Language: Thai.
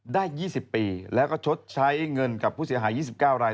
ได้๒๐ปีแล้วก็ชดใช้เงินกับผู้เสียหาย๒๙ราย